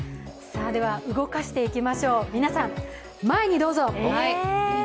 動かしていきましょう、皆さん、前にどうぞ。